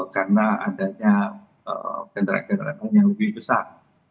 karena adanya kendaraan kendaraan yang lebih besar